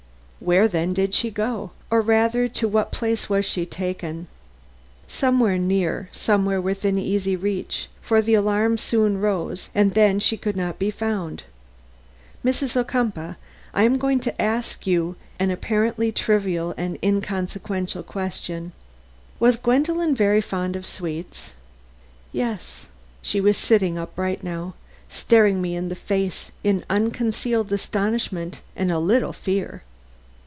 "Where then did she go? Or rather, to what place was she taken? Somewhere near; somewhere within easy reach, for the alarm soon rose and then she could not be found. Mrs. Ocumpaugh, I am going to ask you an apparently trivial and inconsequent question. Was Gwendolen very fond of sweets?" "Yes." She was sitting upright now, staring me in the face in unconcealed astonishment and a little fear.